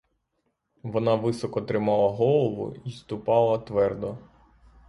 Вона високо тримала голову й ступала твердо.